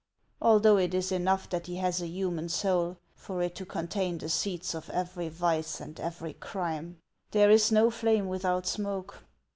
although it is enough that he has a human soul, for it to contain the seeds of every vice and every crime. There is no flame without smoke."